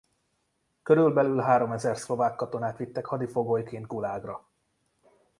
Körülbelül háromezer szlovák katonát vittek hadifogolyként gulágra.